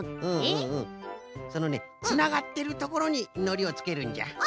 そのねつながってるところにのりをつけるんじゃ。